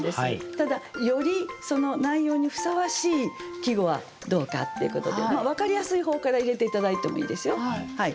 ただよりその内容にふさわしい季語はどうかっていうことで分かりやすい方から入れて頂いてもいいですよ。